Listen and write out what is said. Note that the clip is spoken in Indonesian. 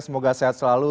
semoga sehat selalu